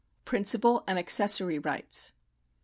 Principal and Accessory Rights.